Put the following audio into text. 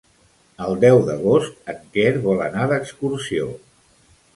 El deu d'agost en Quer vol anar d'excursió.